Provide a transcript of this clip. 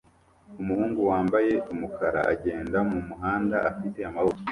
Umuhungu wambaye umukara agenda mumuhanda afite amaboko